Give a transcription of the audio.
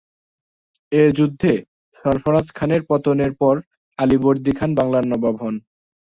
এ-যুদ্ধে সরফরাজ খানের পতনের পর আলীবর্দী খান বাংলার নবাব হন।